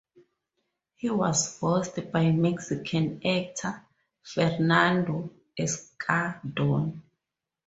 He was voiced by Mexican actor Fernando Escandon.